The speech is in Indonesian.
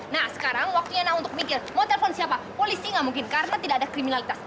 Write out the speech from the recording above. nah sekarang waktunya na untuk mikir mau telepon siapa polisi nggak mungkin karena tidak ada kriminalitas